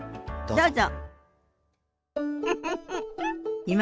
どうぞ。